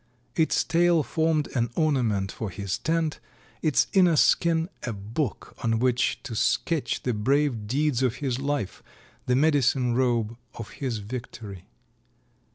Its tail formed an ornament for his tent, its inner skin a book on which to sketch the brave deeds of his life, the medicine robe of his history.